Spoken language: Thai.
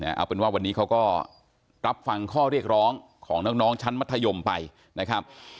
เอาเป็นว่าวันนี้เขาก็รับฟังข้อเรียกร้องของน้องชั้นมัธยมไปนะครับ